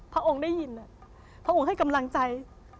พระองค์ได้ยินพระองค์ให้กำลังใจ